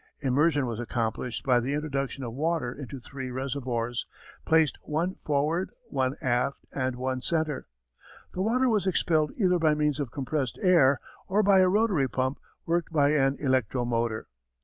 Immersion was accomplished by the introduction of water into three reservoirs, placed one forward, one aft, and one centre. The water was expelled either by means of compressed air or by a rotary pump worked by an electro motor.